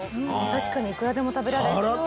確かにいくらでも食べられそう。